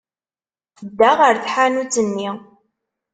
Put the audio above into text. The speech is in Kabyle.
Tedda ɣer tḥanut-nni.